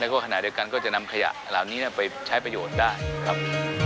แล้วก็ขณะเดียวกันก็จะนำขยะเหล่านี้ไปใช้ประโยชน์ได้ครับ